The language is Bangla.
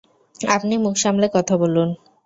আপনি মুখ সামলে কথা বলুন!